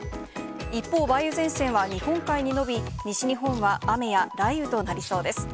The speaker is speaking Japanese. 一方、梅雨前線は日本海に延び、西日本は雨や雷雨となりそうです。